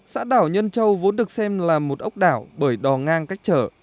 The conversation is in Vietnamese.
xã đảo nhân châu vốn được xem là một ốc đảo bởi đò ngang cách trở